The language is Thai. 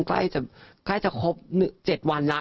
ใกล้จะครบ๗วันแล้ว